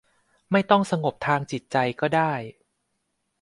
ไม่ต้องสงบทางจิตใจก็ได้